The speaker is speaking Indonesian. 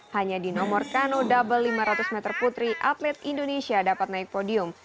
hanya di nomor kano double lima ratus meter putri atlet indonesia dapat naik podium